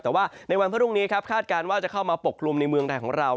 แต่ว่าในวันพรุ่งนี้ครับคาดการณ์ว่าจะเข้ามาปกกลุ่มในเมืองไทยของเรา